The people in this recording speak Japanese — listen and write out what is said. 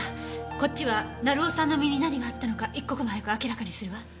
こっちは成尾さんの身に何があったのか一刻も早く明らかにするわ。